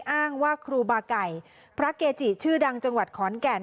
อ้างว่าครูบาไก่พระเกจิชื่อดังจังหวัดขอนแก่น